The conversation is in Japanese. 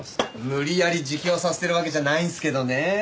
無理やり自供させてるわけじゃないんすけどね。